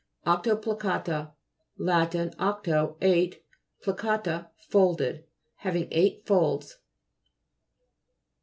OCTOPLICA'TA Lat. octo, eight, pli ca'ta, folded. Having eight folds.